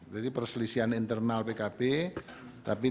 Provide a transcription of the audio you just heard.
jadi perselisihan internal pkb tapi tidak ada